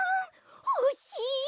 ほしい！